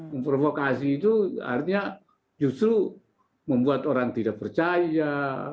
memprovokasi itu artinya justru membuat orang tidak percaya